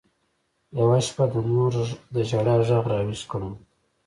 يوه شپه د مور د ژړا ږغ راويښ کړم.